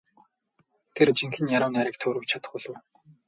Тэр жинхэнэ яруу найраг туурвиж чадах болов уу?